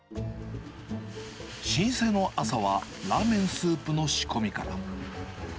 老舗の朝は、ラーメンスープの仕込みから。